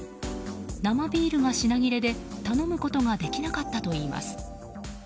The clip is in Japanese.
生ビールが品切れで頼むことができなかったといいます。